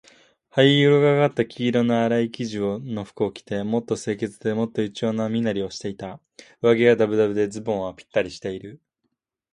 灰色がかった黄色のあらい生地の服を着て、もっと清潔で、もっと一様な身なりをしていた。上衣はだぶだぶで、ズボンはぴったりしている。